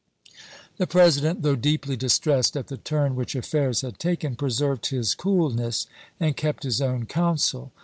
The President, though deeply distressed at the turn which affairs had taken, preserved his cool ness and kept his own counsel.